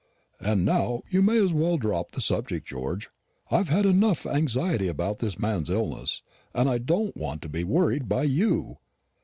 And now you may as well drop the subject, George. I've had enough anxiety about this man's illness, and I don't want to be worried by you."